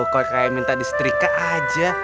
kok kayak minta di setrika aja